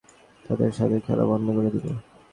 এর মানে তো এই নয় যে, আমরা তাদের সাথে খেলা বন্ধ করে দিব।